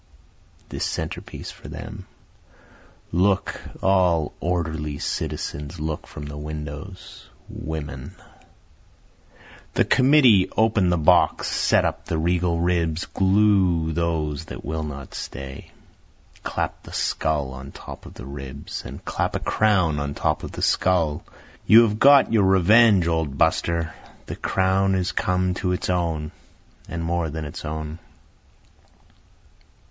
This centre piece for them; Look, all orderly citizens look from the windows, women! The committee open the box, set up the regal ribs, glue those that will not stay, Clap the skull on top of the ribs, and clap a crown on top of the skull. You have got your revenge, old buster the crown is come to its own, and more than its own.